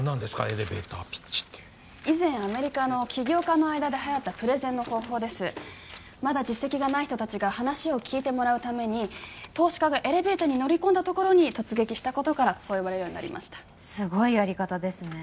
エレベーターピッチって以前アメリカの起業家の間ではやったプレゼンの方法ですまだ実績がない人達が話を聞いてもらうために投資家がエレベーターに乗り込んだところに突撃したことからそう呼ばれるようになりましたすごいやり方ですね